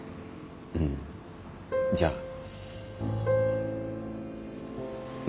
うんじゃあまた。